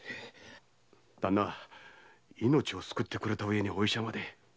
旦那命を救ってくれた上にお医者まで。